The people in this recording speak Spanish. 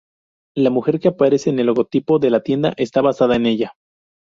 La mujer que aparece en el logotipo de la tienda, está basada en ella.